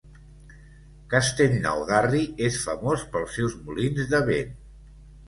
Castellnou d'Arri és famós pels seus molins de vent.